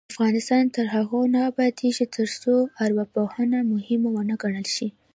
افغانستان تر هغو نه ابادیږي، ترڅو ارواپوهنه مهمه ونه ګڼل شي.